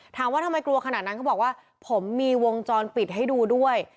ถามว่าทำไมกลัวขนาดนั้นเขาบอกว่าผมมีวงจรปิดให้ดูด้วย